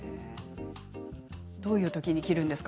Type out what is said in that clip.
どういうときに着るんですか？